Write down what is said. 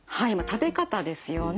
食べ方ですよね。